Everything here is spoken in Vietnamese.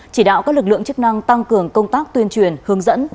chỉ đạo các lực lượng chức năng tăng cường công tác tuyên truyền hướng dẫn